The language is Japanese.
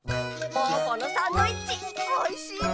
ぽぅぽのサンドイッチおいしいね。